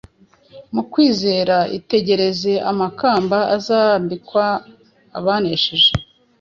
Mu kwizera itegereze amakamba azambikwa abanesheje;